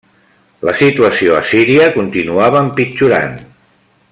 La situació a Síria continuava empitjorant.